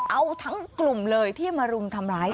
เอาทั้งกลุ่มเลยที่มารุมทำร้าย